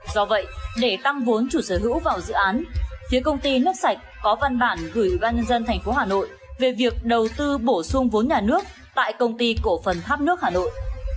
do vậy để tăng vốn chủ sở hữu vào dự án phía công ty nước sạch có văn bản gửi ủy ban nhân dân tp hà nội về việc đầu tư bổ sung vốn nhà nước tại công ty cổ phần tháp nước hà nội